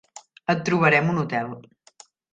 Et trobarem un hotel.